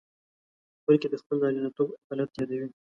بلکې د خپل نارینتوب آلت یادوي.